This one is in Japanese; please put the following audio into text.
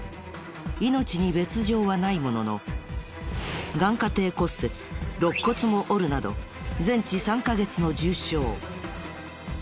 命に別条はないものの眼窩底骨折肋骨も折るなど全治３カ月の重傷。